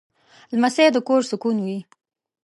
لمسی د کور سکون وي.